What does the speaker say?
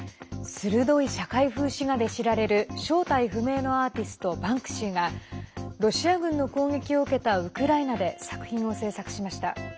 鋭い社会風刺画で知られる正体不明のアーティストバンクシーがロシア軍の攻撃を受けたウクライナで作品を制作しました。